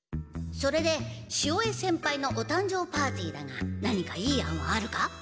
それで潮江先輩のお誕生パーティーだが何かいい案はあるか？